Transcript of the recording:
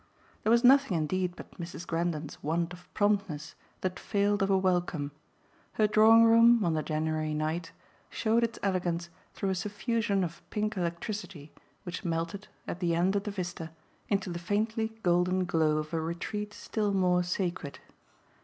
There was nothing indeed but Mrs. Grendon's want of promptness that failed of a welcome: her drawing room, on the January night, showed its elegance through a suffusion of pink electricity which melted, at the end of the vista, into the faintly golden glow of a retreat still more sacred.